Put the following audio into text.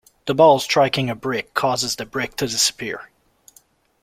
The ball striking a brick causes the brick to disappear.